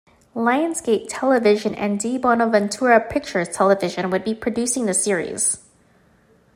Lionsgate Television and Di Bonaventura Pictures Television would be producing the series.